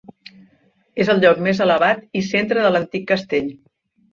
És el lloc més elevat i centre de l'antic castell.